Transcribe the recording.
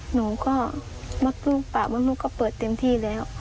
หนูก็มดลูกปากมดลูกก็เปิดเต็มที่แล้ว